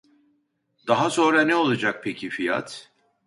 Daha sonra ne olacak peki fiyat